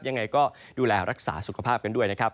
ยังไงก็ดูแลรักษาสุขภาพกันด้วยนะครับ